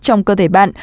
trong cơ thể bạn